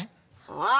ああ。